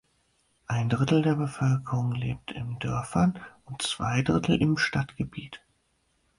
Ein Drittel der Bevölkerung lebt in Dörfern und zwei Drittel im Stadtgebiet.